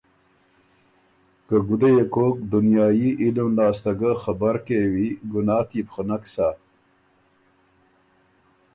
که ګده يې کوک دنیايي علم لاسته ګۀ خبر کېوی ګناه تيې بو خه نک سۀ۔